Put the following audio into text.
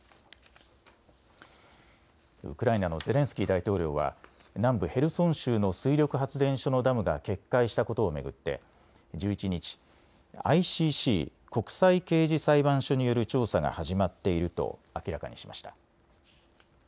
ウクライナのゼレンスキー大統領は南部ヘルソン州の水力発電所のダムが決壊したことを巡って１１日、ＩＣＣ・国際刑事裁判所による調査が始まっていると明らかにしました。